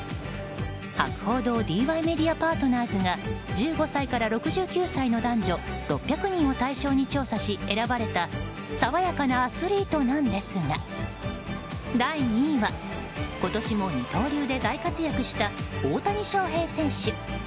博報堂ＤＹメディアパートナーズが１５歳から６９歳の男女６００人を対象に調査し選ばれた爽やかなアスリートなんですが第２位は今年も二刀流で大活躍した大谷翔平選手。